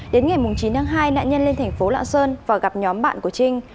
đến ngày chín tháng hai nạn nhân lên tp lạng sơn và gặp nhóm bạn của trinh